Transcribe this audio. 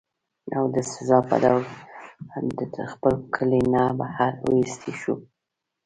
او د سزا پۀ طور د خپل کلي نه بهر اوويستی شو